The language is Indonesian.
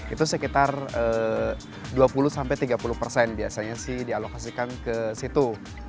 itu sekitar dua puluh sampai tiga puluh persen biasanya sih dialokasikan ke situ